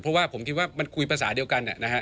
เพราะว่าผมคิดว่ามันคุยภาษาเดียวกันนะฮะ